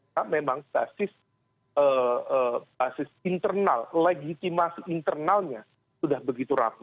karena memang basis internal legitimasi internalnya sudah begitu rapuh